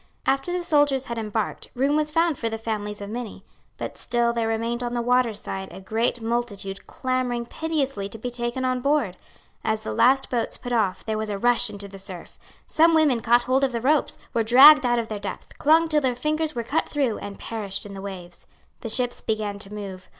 After the soldiers had embarked, room was found for the families of many. But still there remained on the water side a great multitude clamouring piteously to be taken on board. As the last boats put off there was a rush into the surf. Some women caught hold of the ropes, were dragged out of their depth, clung till their fingers were cut through, and perished in the waves. The ships began to move.